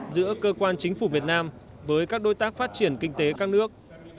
giữa cơ quan chính phủ việt nam với các đối tác phát triển kinh tế các nước